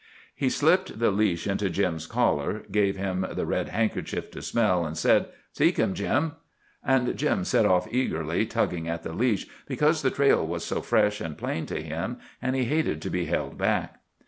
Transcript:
He slipped the leash into Jim's collar, gave him the red handkerchief to smell, and said, "Seek him, Jim." And Jim set off eagerly, tugging at the leash, because the trail was so fresh and plain to him, and he hated to be held back.